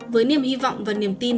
với niềm hy vọng và niềm tin